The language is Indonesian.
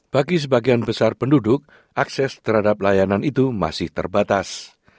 bagi sebagian besar penduduk akses terhadap layanan itu masih terbatas